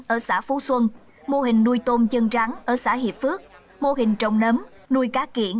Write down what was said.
ở xã phú xuân mô hình nuôi tôm chân trắng ở xã hiệp phước mô hình trồng nấm nuôi cá kiển